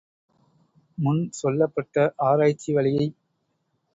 முன் சொல்லப்பட்ட ஆராய்ச்சி வழியைப்